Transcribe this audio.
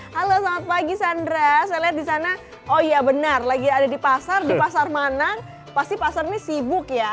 halo selamat pagi sandra saya lihat di sana oh iya benar lagi ada di pasar di pasar mana pasti pasar ini sibuk ya